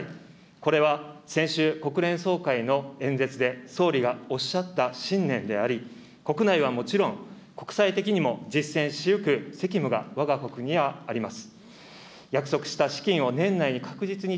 これは先週、国連総会の演説で総理がおっしゃった信念であり、国内はもちろん、国際的にも実践しゆく責務がわが国にはあります。